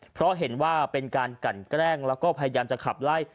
เพราะเห็นว่าเป็นการกันแกล้งแล้วก็พยายามจะขับไล่